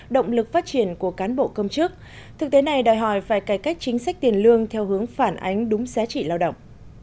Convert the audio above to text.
bộ công chức thực tế này đòi hỏi phải cải cách chính sách tiền lương theo hướng phản ánh đúng giá trị lao động